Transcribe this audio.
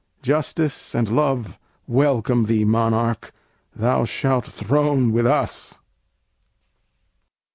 Justice and Love Welcome thee, Monarch! thou shalt throne with us."